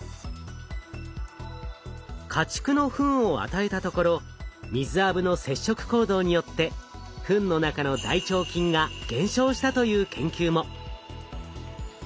家畜のフンを与えたところミズアブの摂食行動によってフンの中の大腸菌が減少したという研究も。